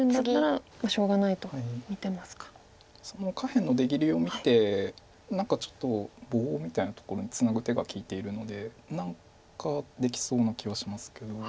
その下辺の出切りを見て何かちょっと棒みたいなところにツナぐ手が利いているので何かできそうな気はしますけども。